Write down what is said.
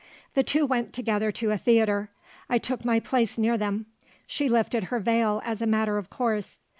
The two went together to a theatre. I took my place near them. She lifted her veil as a matter of course.